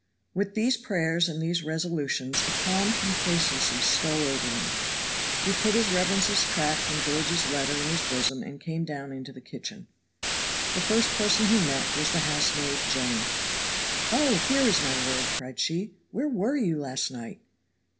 With these prayers and these resolutions a calm complacency stole over him; he put his reverence's tract and George's letter in his bosom and came down into the kitchen. The first person he met was the housemaid, Jenny. "Oh, here is my lord!" cried she. "Where were you last night?"